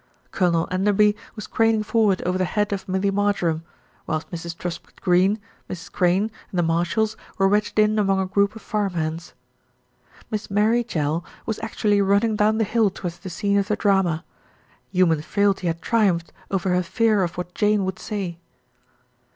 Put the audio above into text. Colonel Enderby was craning forward over the head of Millie Marjoram, whilst Mrs. Truspitt Greene, Mrs. Crane and the Marshalls were wedged in among a group of farm hands. Miss Mary Jell was actually running down the hill towards the scene of the drama. Human frailty had triumphed over her fear of what Jane would say.